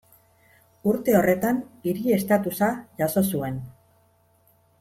Urte horretan hiri estatusa jaso zuen.